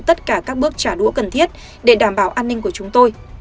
tất cả các bước trả đũa cần thiết để đảm bảo an ninh của chúng tôi